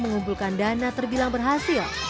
mengumpulkan dana terbilang berhasil